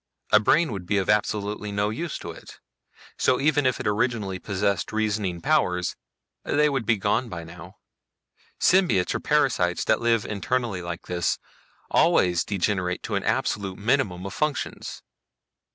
"A brain would be of absolutely no use to it. So even if it originally possessed reasoning powers they would be gone by now. Symbiotes or parasites that live internally like this always degenerate to an absolute minimum of functions."